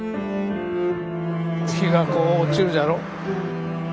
日がこう落ちるじゃろ。